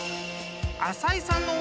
［浅井さんの］